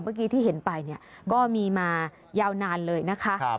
เมื่อกี้ที่เห็นไปเนี่ยก็มีมายาวนานเลยนะคะ